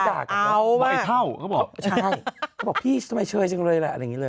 ว่าไอ้เท่าเขาบอกใช่เขาบอกพี่ทำไมเชยจังเลยล่ะอะไรอย่างนี้เลย